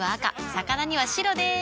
魚には白でーす。